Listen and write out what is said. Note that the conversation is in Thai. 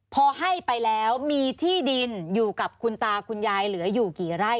พอให้ไปแล้วมีที่ดินอยู่กับคุณตาคุณยายเหลืออยู่กี่ไร่